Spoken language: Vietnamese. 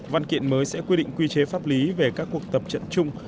văn kiện mới sẽ quy định quy chế pháp lý về các cuộc tập trận chung